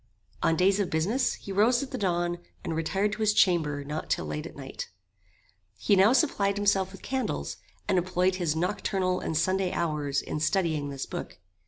On days of business, he rose at the dawn, and retired to his chamber not till late at night. He now supplied himself with candles, and employed his nocturnal and Sunday hours in studying this book.